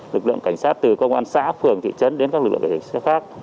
lực lượng cảnh sát từ công an xã phường thị trấn đến các lực lượng cảnh sát khác